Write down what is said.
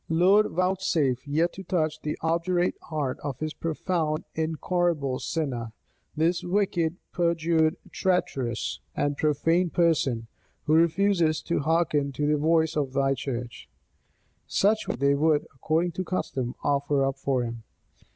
"Lord, vouchsafe yet to touch the obdurate heart of this proud, incorrigible sinner; this wicked, perjured, traitorous, and profane person, who refuses to hearken to the voice of thy church." Such were the petitions which he expected they would, according to custom, offer up for him.